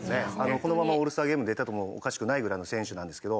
このままオールスターゲームに出ててもおかしくないぐらいの選手なんですけど。